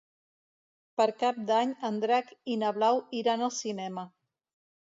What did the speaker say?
Per Cap d'Any en Drac i na Blau iran al cinema.